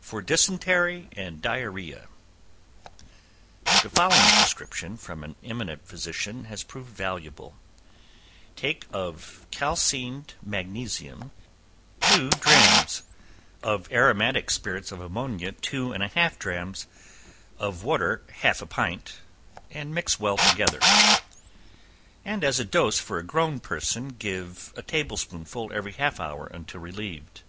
For Dysentery and Diarrhoea. The following prescription from an eminent physician has proved valuable: Take of calcined magnesia two drachms, of aromatic spirits of ammonia two and a half drachms, of water half a pint, mix well together, and as a dose for a grown person, give a table spoonful every half hour until relieved.